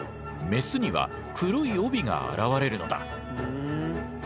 メスには黒い帯が現れるのだ。